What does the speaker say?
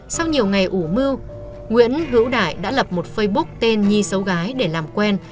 sau nhiều ngày ủ mưu nguyễn hữu đại đã lập một facebook tên nhi xấu gái để làm quen